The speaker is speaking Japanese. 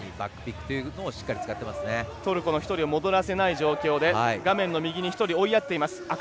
トルコの１人を戻らせない状況で画面の右に１人追いやっています。